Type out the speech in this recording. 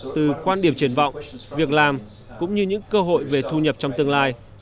từ quan điểm triển vọng việc làm cũng như những cơ hội về thu nhập trong tương lai